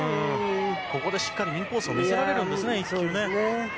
ここでしっかりインコースを見せられるんです。